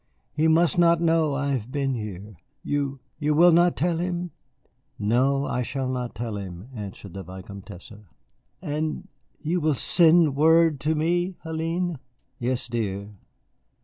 He must not know I have been here. You you will not tell him?" "No, I shall not tell him," answered the Vicomtesse. "And you will send word to me, Hélène?" "Yes, dear."